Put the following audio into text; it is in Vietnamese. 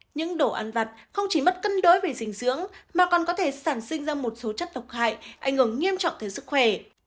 những đồ ăn vặt không chỉ mất cân đối về dinh dưỡng mà còn có thể sản sinh ra một số chất độc hại ảnh hưởng nghiêm trọng tới sức khỏe